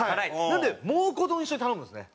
なので蒙古丼を一緒に頼むんですね。